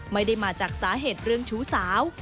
ไม่ได้มาจากสาเหตุเรื่องชู้สาว